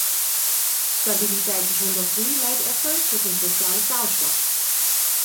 Stabiliteit zonder groei leidt echter tot een sociale kaalslag.